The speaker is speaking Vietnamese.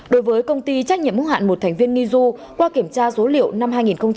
đối với công ty trách nhiệm hữu hạn một thành viên nghi du qua kiểm tra số liệu năm hai nghìn một mươi bảy